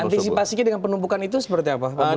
oke antisipasinya dengan penumpukan itu seperti apa pak budi